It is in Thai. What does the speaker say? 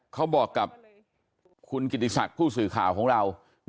เขาบอกกับคุณกิติศักดิ์ผู้สื่อข่าวของเรา